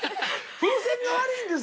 風船が悪いんです。